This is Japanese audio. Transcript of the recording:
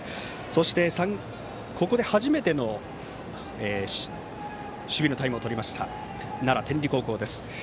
そして、ここで初めての守備のタイムをとりました奈良・天理高校です。